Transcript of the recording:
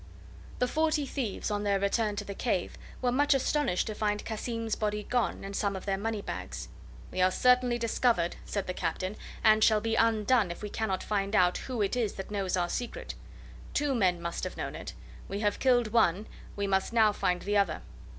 The Forty Thieves, on their return to the cave, were much astonished to find Cassim's body gone and some of their money bags. "We are certainly discovered," said the Captain, "and shall be undone if we cannot find out who it is that knows our secret. Two men must have known it; we have killed one, we must now find the other.